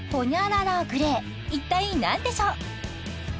○グレー一体何でしょう？